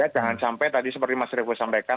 jangan sampai tadi seperti mas revo sampaikan